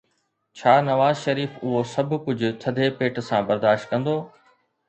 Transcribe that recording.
ڇا نواز شريف اهو سڀ ڪجهه ٿڌي پيٽ سان برداشت ڪندو؟